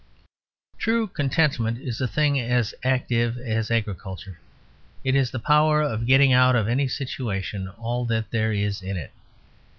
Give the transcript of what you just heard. True contentment is a thing as active as agriculture. It is the power of getting out of any situation all that there is in it.